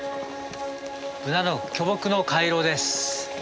ブナの巨木の回廊です。